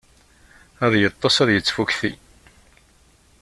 Ad yeṭṭes ad yettfukti.